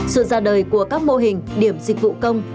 sự ra đời của các mô hình điểm dịch vụ công